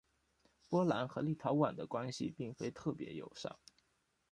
波兰和立陶宛的关系并非特别友善。